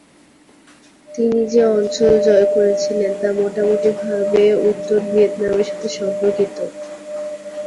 তিনি যে অঞ্চল জয় করেছিলেন তা মোটামুটিভাবে উত্তর ভিয়েতনামের সাথে সম্পর্কিত।